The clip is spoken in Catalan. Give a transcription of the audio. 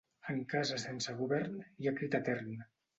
En casa sense govern hi ha crit etern.